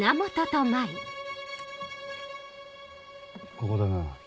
ここだな。